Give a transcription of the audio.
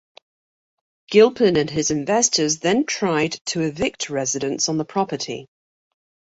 Gilpin and his investors then tried to evict residents on the property.